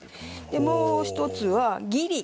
でもう一つは「義理」。